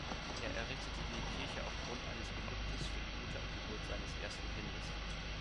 Er errichtete die Kirche aufgrund eines Gelübdes für die gute Geburt seines ersten Kindes.